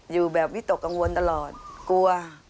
อยู่แบบวิตกกังวลตลอดกลัว